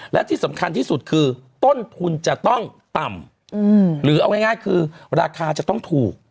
และที่สำคัญที่สุดคือต้นทุนจะต้องต่ำหรือเอาง่ายคือราคาจะต้องถูก